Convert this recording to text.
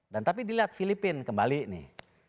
dan tapi dilihat filipin kembali nih